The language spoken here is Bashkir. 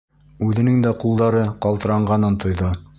Үҙенең дә ҡулдары ҡалтырағанын тойҙо.